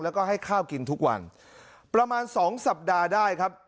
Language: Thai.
แล้วก็ให้ข้าวกินทุกวันประมาณสองสัปดาห์ได้ครับ